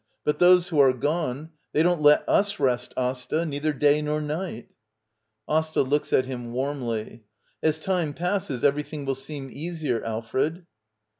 ] But those who are gone — >diey don't let us rest, Asta. Neither day nor night. AsTA. [Looks at him warmly.] As time passes everything will seem easier, Alfred.